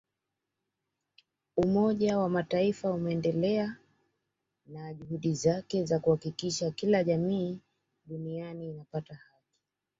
Umoja wa Mataifa umeendelea na juhudi zake za kuhakikisha kila jamii duniani inapata haki